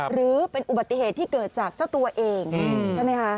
หรือเป็นอุบัติเหตุที่เกิดจากเจ้าตัวเองใช่ไหมคะ